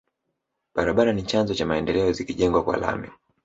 Barabara ni chanzo cha maendeleo zikijengwa kwa lami